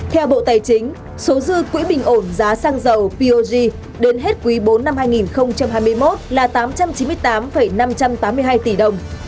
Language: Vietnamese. theo bộ tài chính số dư quỹ bình ổn giá xăng dầu pog đến hết quý bốn năm hai nghìn hai mươi một là tám trăm chín mươi tám năm trăm tám mươi hai tỷ đồng